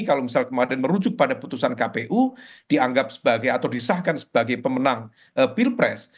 kalau misal kemarin merujuk pada putusan kpu dianggap sebagai atau disahkan sebagai pemenang pilpres